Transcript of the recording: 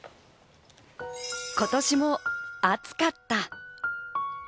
今年も暑かった。